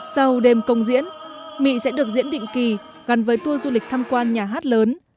sau đêm công diễn mỹ sẽ được diễn định kỳ gắn với tour du lịch tham quan nhà hát lớn